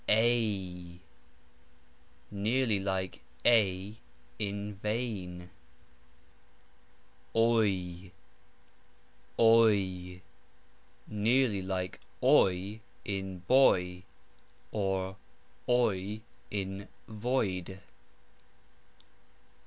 ej nearly like EI in vEIn. oj nearly like OY in bOY, or OI in vOId.